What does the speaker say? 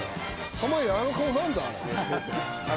濱家あの顔何だあれ？